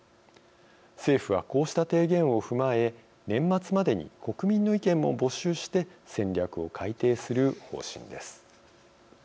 政府はこうした提言を踏まえ年末までに国民の意見も募集して戦略を改定する方針です。